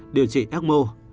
điều trị ecmo